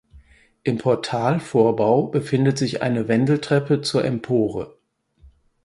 Im Portalvorbau befindet sich eine Wendeltreppe zur Empore.